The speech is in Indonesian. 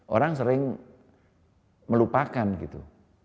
orang sering melupakan gitu